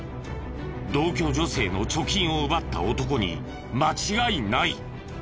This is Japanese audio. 同居女性の貯金を奪った男に間違いない。